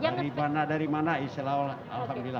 dari mana dari mana insya allah alhamdulillah